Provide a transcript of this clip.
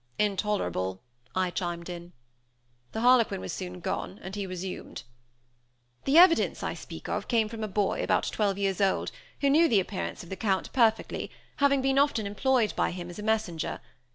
"Intolerable!" I chimed in. The harlequin was soon gone, and he resumed. "The evidence I speak of came from a boy, about twelve years old, who knew the appearance of the Count perfectly, having been often employed by him as a messenger.